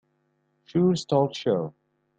Shore's talk show.